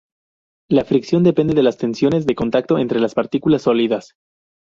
La fricción depende de las tensiones de contacto entre las partículas sólidas.